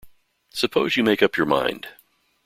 Suppose you make up your mind.